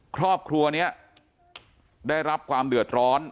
ครอบครัวนี้ได้รับความเดือดร้อน